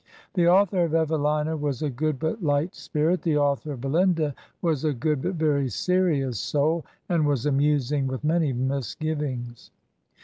The au thor of "Evelina " was a good but light spirit, the author of "Belinda" was a good but very serious soul and was amusing with many misgivings.